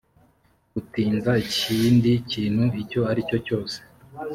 gutinza ikindi kintu icyo aricyo cyose